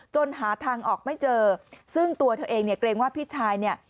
หาทางออกไม่เจอซึ่งตัวเธอเองเนี่ยเกรงว่าพี่ชายเนี่ย